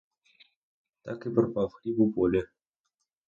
Так і пропав хліб у полі.